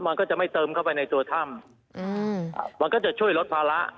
มันก็จะไม่เติมเข้าไปในตัวถ้ำมันก็จะช่วยลดภาระ